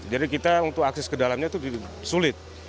jadi kita untuk akses ke dalamnya itu sulit